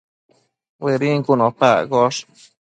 Bëdin cun opa accosh